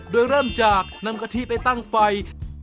โดยเริ่มจากนำกะทิไปตั้งไฟ